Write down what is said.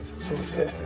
そうですね。